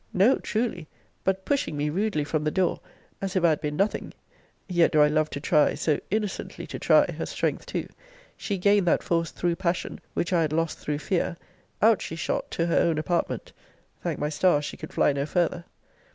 No, truly; but pushing me rudely from the door, as if I had been nothing, [yet do I love to try, so innocently to try, her strength too!] she gained that force through passion, which I had lost through fear, out she shot to her own apartment; [thank my stars she could fly no farther!